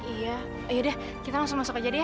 iya yaudah kita langsung masuk aja deh